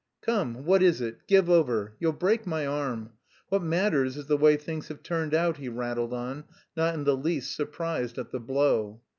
"Come, what is it... give over... you'll break my arm... what matters is the way things have turned out," he rattled on, not in the least surprised at the blow.